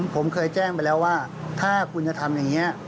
ผมเคยแจ้งไปแล้วว่าถ้าคุณจะทำอย่างนี้